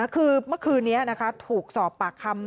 คือเมื่อคืนนี้ถูกสอบปากคำ